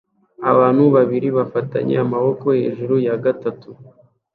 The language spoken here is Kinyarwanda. Abantu babiri bafatanye amaboko hejuru ya gatatu